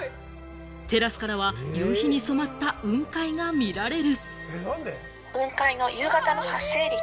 テラスからは夕日に染まった雲海が見られる。